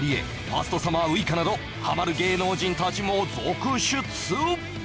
ファーストサマーウイカなどハマる芸能人たちも続出